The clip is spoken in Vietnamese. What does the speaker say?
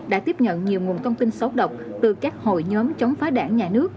đã tiếp nhận nhiều nguồn thông tin xấu độc từ các hội nhóm chống phá đảng nhà nước